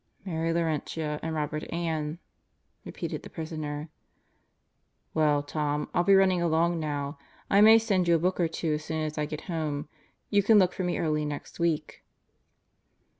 "Mary Laurentia and Robert Ann," repeated the prisoner. "Well, Tom, I'll be running along now. I may send you a book or two as soon as I get home, You can look for me early next week."